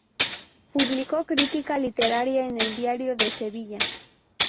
Publicó crítica literaria en El Diario de Sevilla.